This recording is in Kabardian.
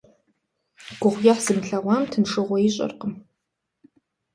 Гугъуехь зымылъэгъуам тыншыгъуэ ищӀэркъым.